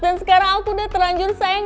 dan sekarang aku udah terlanjur sayang